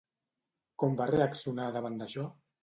Com va reaccionar davant d'això?